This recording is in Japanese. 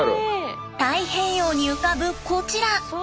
太平洋に浮かぶこちら。